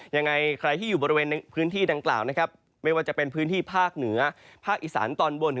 ยังไงใครที่อยู่บริเวณพื้นที่ดังกล่าวนะครับไม่ว่าจะเป็นพื้นที่ภาคเหนือภาคอีสานตอนบน